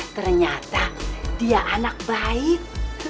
ternyata dia anak baik